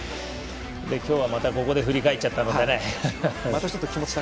今日は、またここで振り返っちゃったもんでね。